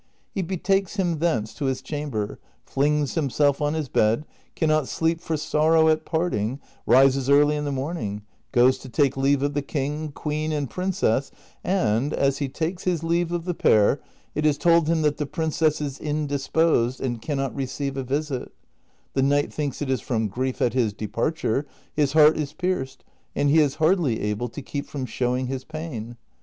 He betakes him thence to his chamber, tlings himself on his bed, can not sleep for sorrow at parting, rises early in the morning," goes to take leave of the king, queen, and princess, and, as he takes his leave of the pair, it is told him that the princess is indisposed and can not receive a visit ; the knight thinks it is from grief at his de parture, his heart is pierced, and he is hardly able to keep from showing his pain.